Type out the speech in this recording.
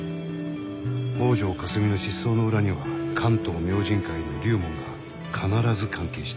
「北條かすみ」の失踪の裏には「関東明神会」の龍門が必ず関係している。